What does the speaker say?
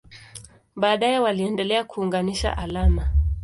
Baadaye waliendelea kuunganisha alama.